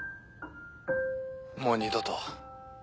もう二度と。